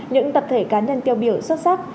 những tập thể cá nhân tiêu biểu xuất sắc